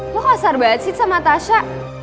lu kasar banget sih sama tasha